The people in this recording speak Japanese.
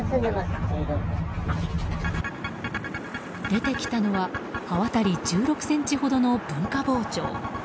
出てきたのは刃渡り１６ｃｍほどの文化包丁。